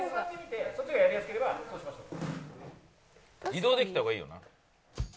移動できた方がいいよな。